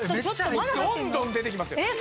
どんどん出てきますよ。